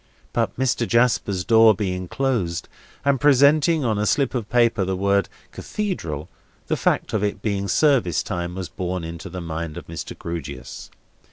But Mr. Jasper's door being closed, and presenting on a slip of paper the word "Cathedral," the fact of its being service time was borne into the mind of Mr. Grewgious.